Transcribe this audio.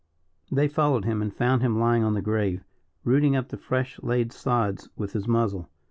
They followed him, and found him lying on the grave, rooting up the fresh laid sods with his muzzle.